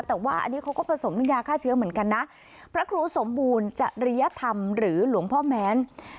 แต่ว่าอันนี้เขาก็ผสมน้ำยาฆ่าเชื้อเหมือนกันนะพระครูสมบูรณ์จริยธรรมหรือหลวงพ่อแม้น